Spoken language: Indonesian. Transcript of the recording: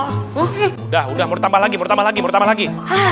udah udah mau ditambah lagi mau ditambah lagi